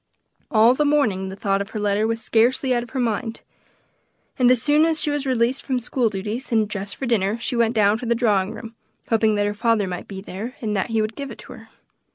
All the morning the thought of her letter was scarcely out of her mind, and as soon as she was released from school duties, and dressed for dinner, she went down to the drawing room, hoping that her father might be there, and that he would give it to her.